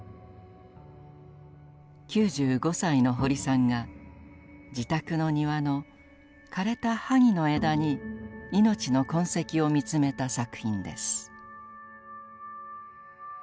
９５歳の堀さんが自宅の庭の枯れた萩の枝にいのちの痕跡を見つめた作品です。